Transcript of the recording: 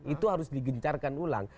itu harus digencarkan ulang